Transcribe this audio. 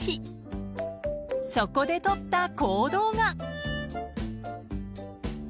［そこで取った行動が］